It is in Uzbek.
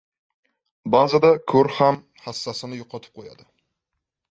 • Ba’zida ko‘r ham hassasini yo‘qotib qo‘yadi.